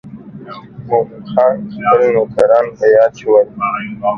مومن خان خپل نوکران په یاد شول.